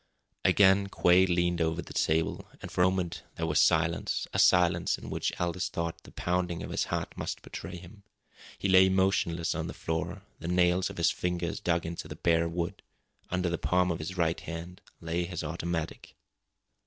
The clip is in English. Again Quade leaned over the table, and for a moment there was silence, a silence in which Aldous thought the pounding of his heart must betray him. He lay motionless on the floor. The nails of his fingers dug into the bare wood. Under the palm of his right hand lay his automatic.